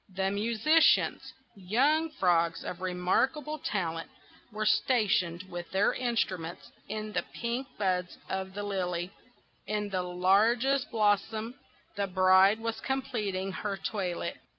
The musicians, young frogs of remarkable talent, were stationed with their instruments in the pink buds of the lily; in the largest blossom the bride was completing her toilet.